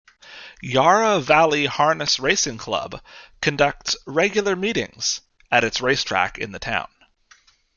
Yarra Valley Harness Racing Club conducts regular meetings at its racetrack in the town.